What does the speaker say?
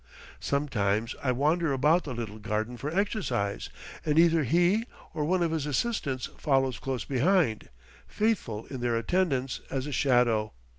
Sometimes I wander about the little garden for exercise, and either he or one of his assistants follows close behind, faithful in their attendance as a shadow.